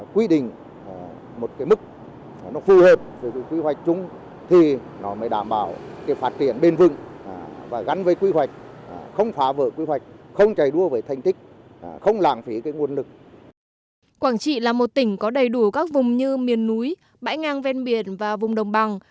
quảng trị là một tỉnh có đầy đủ các vùng như miền núi bãi ngang ven biển và vùng đồng bằng